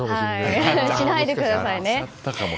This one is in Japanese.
しないでくださいね。